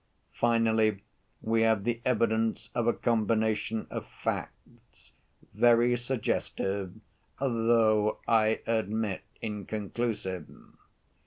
Finally, we have the evidence of a combination of facts very suggestive, though, I admit, inconclusive.